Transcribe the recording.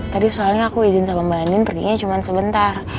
tadi soalnya aku izin sama mbak anin perginya cuma sebentar